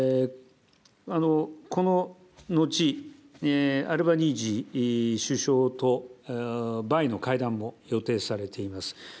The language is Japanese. この後、アルバニージー首相とバイの会談を予定されております。